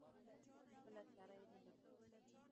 بله چاره یې نه درلوده.